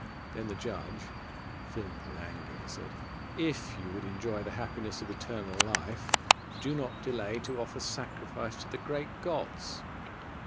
Then the judge, filled with anger, said, "If you would enjoy the happiness of eternal life, do not delay to offer sacrifice to the great gods."